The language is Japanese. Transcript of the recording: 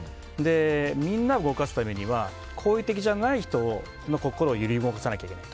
みんなを動かすためには好意的じゃない人の心を揺り動かさないといけないと。